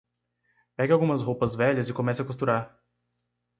Pegue algumas roupas velhas e comece a costurar